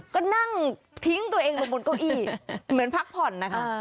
ก็นั่งทิ้งตัวเองลงบนเก้าอี้เหมือนพักผ่อนนะคะ